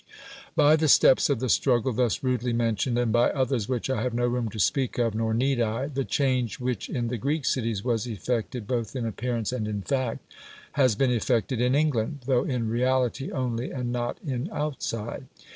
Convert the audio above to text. By the steps of the struggle thus rudely mentioned (and by others which I have no room to speak of, nor need I), the change which in the Greek cities was effected both in appearance and in fact, has been effected in England, though in reality only, and not in outside.